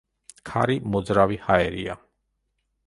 ქარი მოძრავი ჰაერია.